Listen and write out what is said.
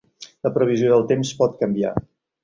La previsió del temps pot canviar.